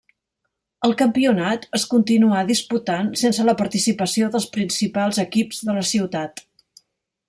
El campionat es continuà disputant sense la participació dels principals equips de la ciutat.